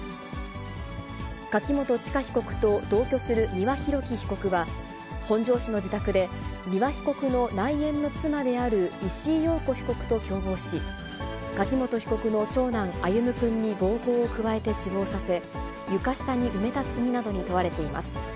柿本知香被告と同居する丹羽洋樹被告は、本庄市の自宅で、丹羽被告の内縁の妻である石井陽子被告と共謀し、柿本被告の長男、歩夢くんに暴行を加えて死亡させ、床下に埋めた罪などに問われています。